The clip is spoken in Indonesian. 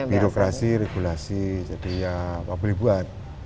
birokrasi regulasi jadi ya apa boleh buat